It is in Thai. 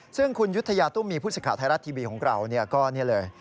ซึ่งคุณยุธยาตุ้มมีผู้สิทธิ์ไทยรัฐทีวีของเราก็นี่เลย